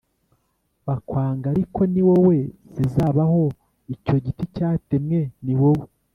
bakwanga ariko ni wowe zizabaho Icyo giti cyatemwe ni wowe